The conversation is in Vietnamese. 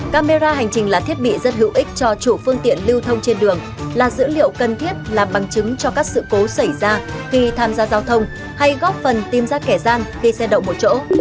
camera hành trình là thiết bị rất hữu ích cho chủ phương tiện lưu thông trên đường là dữ liệu cần thiết làm bằng chứng cho các sự cố xảy ra khi tham gia giao thông hay góp phần tìm ra kẻ gian khi xe đậu một chỗ